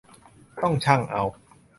ต้องชั่งเอา